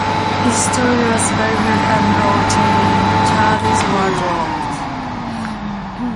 His story was verified and all charges were dropped.